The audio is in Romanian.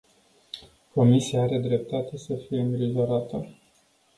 Comisia are dreptate să fie îngrijorată.